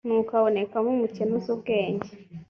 nuko habonekamo umukene uzi ubwenge